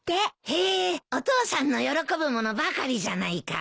へえーお父さんの喜ぶ物ばかりじゃないか。